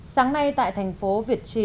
sáng nay tại thành phố việt trì